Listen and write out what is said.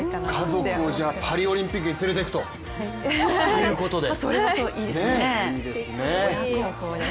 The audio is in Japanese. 家族をパリオリンピックに連れて行くということで、いいですね。